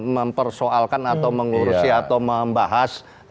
mempersoalkan atau mengurusi atau membahas